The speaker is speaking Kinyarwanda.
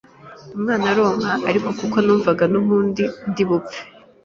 umwana aronka ariko kuko numvaga ko nubundi ndi bupfe